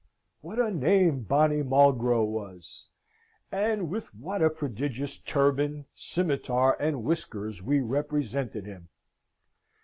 What a name Bonny Molgro was, and with what a prodigious turban, scimitar, and whiskers we represented him!